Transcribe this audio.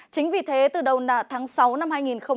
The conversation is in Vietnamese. chính vì thế từ đầu tháng sáu năm hai nghìn một mươi chín